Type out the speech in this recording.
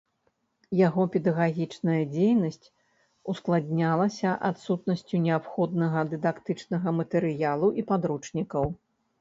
Яго педагагічная дзейнасць ускладнялася адсутнасцю неабходнага дыдактычнага матэрыялу і падручнікаў.